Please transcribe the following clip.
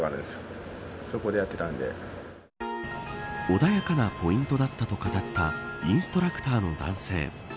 穏やかなポイントだったと語ったインストラクターの男性。